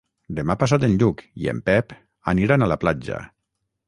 Demà passat en Lluc i en Pep aniran a la platja.